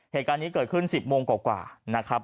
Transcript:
เหตุการณ์นี้เกิดขึ้น๑๐โมงกว่านะครับ